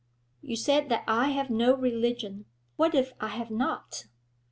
You say that I have no religion: what if I have not?